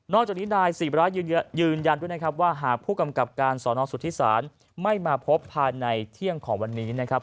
จากนี้นายศรีราชยืนยันด้วยนะครับว่าหากผู้กำกับการสอนอสุทธิศาลไม่มาพบภายในเที่ยงของวันนี้นะครับ